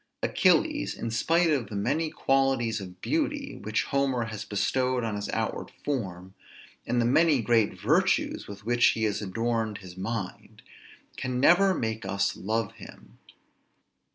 Achilles, in spite of the many qualities of beauty which Homer has bestowed on his outward form, and the many great virtues with which he has adorned his mind, can never make us love him.